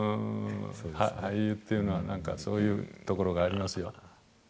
俳優っていうのは、なんかそういうところがありますよね。